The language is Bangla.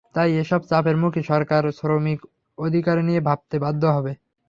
তাই এসব চাপের মুখে সরকার শ্রমিক অধিকার নিয়ে ভাবতে বাধ্য হবে।